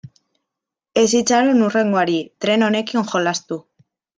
Ez itxaron hurrengoari, tren honekin jolastu.